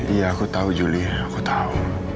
iya aku tahu juli aku tahu